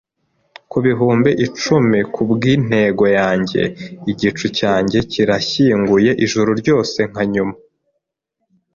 ku bihumbi icumi kubwintego yanjye. Igicu cyari cyashyinguye ijuru ryose. Nka nyuma